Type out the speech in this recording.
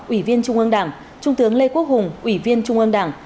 ủy viên trung ương đảng trung tướng lê quốc hùng ủy viên trung ương đảng